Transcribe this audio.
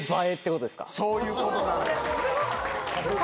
そういうことなんです。